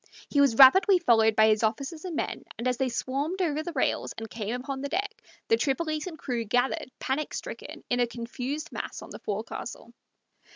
He was rapidly followed by his officers and men, and as they swarmed over the rails and came upon the deck, the Tripolitan crew gathered, panic stricken, in a confused mass on the forecastle.